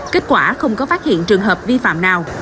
kết quả không có phát hiện trường hợp vi phạm nào